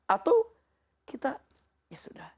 atau kita ya sudah